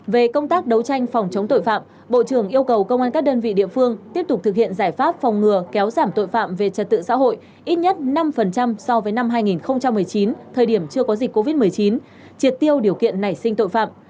về công tác đấu tranh phòng chống tội phạm bộ trưởng yêu cầu công an các đơn vị địa phương tiếp tục thực hiện giải pháp phòng ngừa kéo giảm tội phạm về trật tự xã hội ít nhất năm so với năm hai nghìn một mươi chín thời điểm chưa có dịch covid một mươi chín triệt tiêu điều kiện nảy sinh tội phạm